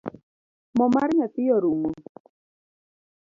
Mo mar nyathi orumo